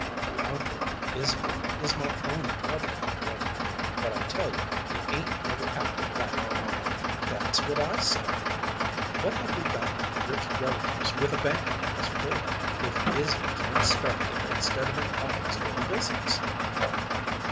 Your Uncle Isadore is my own brother, Renie, but I tell you he 'ain't never acted like it." "That's what I say. What have we got rich relatives with a banking house for, if Izzy can't start there instead of in papa's little business?"